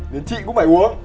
nên chị cũng phải uống